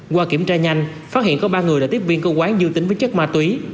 qua kiểm tra nhanh phát hiện có ba người là tiếp viên của quán dư tính với chất ma túy